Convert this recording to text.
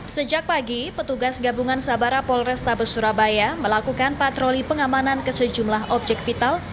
sejak pagi petugas gabungan sabara polrestabes surabaya melakukan patroli pengamanan ke sejumlah objek vital